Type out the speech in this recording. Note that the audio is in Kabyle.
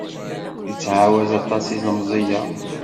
Ittɛawaz aṭas yilemẓi-a.